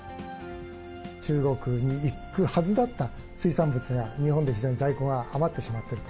中国に行くはずだった水産物が、日本で非常に在庫が余ってしまっていると。